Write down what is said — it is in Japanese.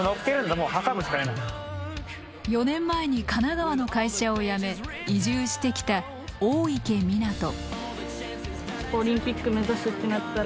４年前に神奈川の会社を辞め移住してきた大池水杜。